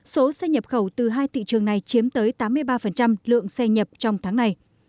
số xe nhập khẩu từ hai thị trường này chiếm tới tám mươi ba lượng xe nhập trong tháng này